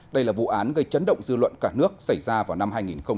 đây là vụ án gây chấn động dư luận cả nước xảy ra vào năm hai nghìn một mươi